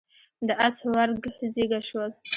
د اس ورږ زيږه شول.